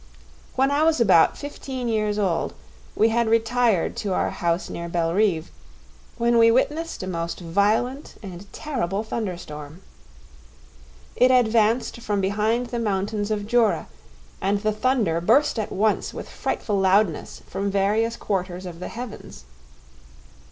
When I was about fifteen years old we had retired to our house near Belrive, when we witnessed a most violent and terrible thunderstorm. It advanced from behind the mountains of Jura, and the thunder burst at once with frightful loudness from various quarters of the heavens.